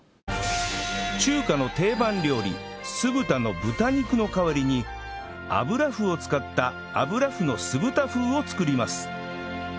中華の定番料理酢豚の豚肉の代わりに油麩を使った油麩の酢豚風を作ります